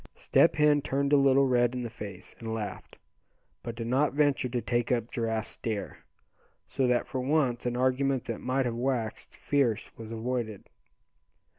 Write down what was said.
Step Hen turned a little red in the face, and laughed; but did not venture to take up Giraffe's dare, so that for once an argument that might have waxed fierce was avoided.